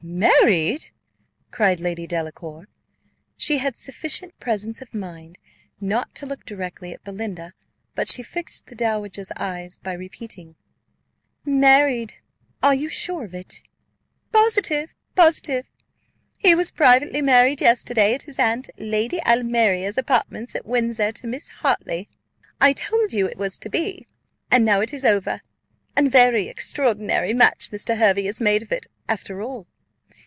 "Married!" cried Lady Delacour: she had sufficient presence of mind not to look directly at Belinda; but she fixed the dowager's eyes, by repeating, "Married! Are you sure of it?" "Positive positive! He was privately married yesterday at his aunt, Lady Almeria's apartments, at Windsor, to Miss Hartley. I told you it was to be, and now it is over; and a very extraordinary match Mr. Hervey has made of it, after all.